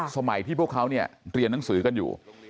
สมัยที่พวกเขาเนี่ยเรียนหนังสือกันอยู่